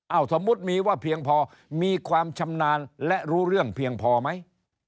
สมมุติมีว่าเพียงพอมีความชำนาญและรู้เรื่องเพียงพอไหม